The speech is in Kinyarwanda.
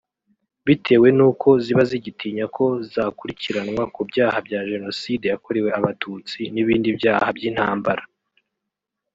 bitewe n’uko ziba zigitinya ko zakurikiranwa ku byaha bya Jenoside yakorewe Abatutsi n’ibindi byaha by’intambara